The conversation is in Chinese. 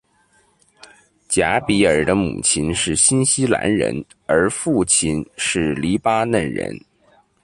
贾比尔的母亲是新西兰人，而父亲是黎巴嫩人。